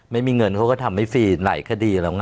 ไม่มีเงินเขาก็ทำให้ฟรีไหล้คดี